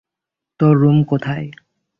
তোর রুম কোথায়?